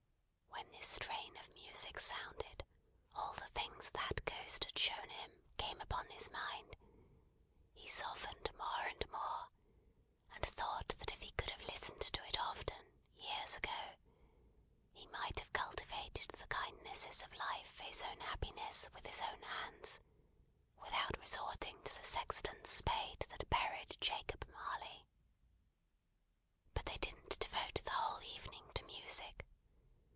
When this strain of music sounded, all the things that Ghost had shown him, came upon his mind; he softened more and more; and thought that if he could have listened to it often, years ago, he might have cultivated the kindnesses of life for his own happiness with his own hands, without resorting to the sexton's spade that buried Jacob Marley. But they didn't devote the whole evening to music.